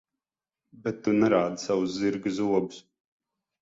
Bet tu nerādi savus zirga zobus.